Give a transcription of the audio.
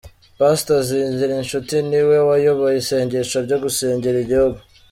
Pastor Zigirinshuti ni we wayoboye isengesho ryo gusengera igihugu.